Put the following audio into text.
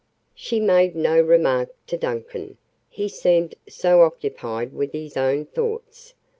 She made no remark to Duncan; he seemed so occupied with his own thoughts.